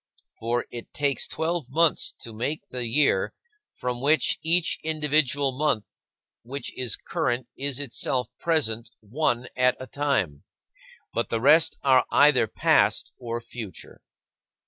For it takes twelve months to make the year, from which each individual month which is current is itself present one at a time, but the rest are either past or future.